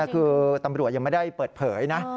คือตำรวจยังไม่ได้เปิดเผยนะ